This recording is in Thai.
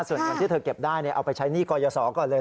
ส่วนอย่างที่เธอเก็บได้เนี่ยเอาไปใช้หนี้กรยศอก่อนเลย